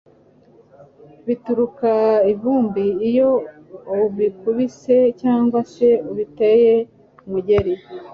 bitumuka ivumbi iyo ubikubise cyangwa se ubiteye umugeri